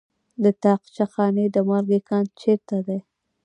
د طاقچه خانې د مالګې کان چیرته دی؟